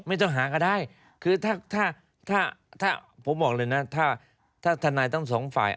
ไม่ต้องหาก็ได้คือถ้าถ้าผมบอกเลยนะถ้าทนายทั้งสองฝ่าย